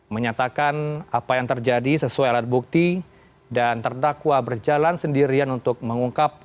menyatakan apa yang terjadi sesuai alat bukti dan terdakwa berjalan sendirian untuk mengungkap